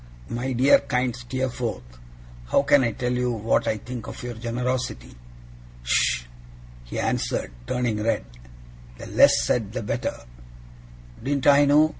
My dear kind Steerforth, how can I tell you what I think of your generosity?' 'Tush!' he answered, turning red. 'The less said, the better.' 'Didn't I know?